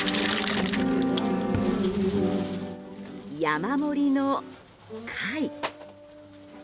山盛りの貝。